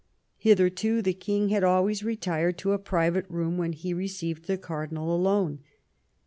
Hitherto the king had always retired to a private room when he received the cardinal alone.